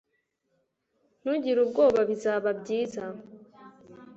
Ntugire ubwoba Bizaba byiza